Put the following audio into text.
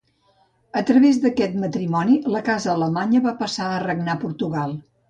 A través d'aquest matrimoni, la casa alemanya va passar a regnar a Portugal.